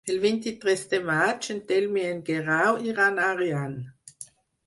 El vint-i-tres de maig en Telm i en Guerau iran a Ariany.